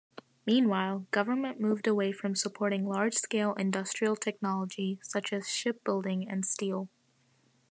Meanwhile, government moved away from supporting large-scale industrial technology, such as shipbuilding and steel.